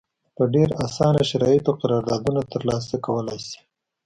په ډېر اسانه شرایطو قراردادونه ترلاسه کولای شي.